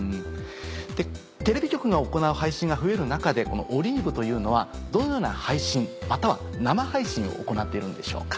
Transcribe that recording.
テレビ局が行う配信が増える中でこのＯＬＩＶＥというのはどのような配信または生配信を行っているのでしょうか？